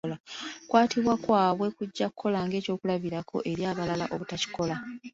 OKukwatibwa kwabwe kujja kukola nga eky'okulabirako eri abalala obutakikola.